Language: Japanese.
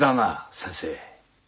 先生。